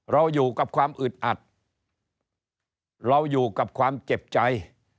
เราอยู่กับความอึดอัดเราอยู่กับความเจ็บใจ